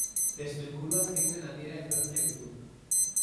Testuingurua zein den adiera ezberdinak ditu.